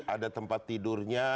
ada tempat tidurnya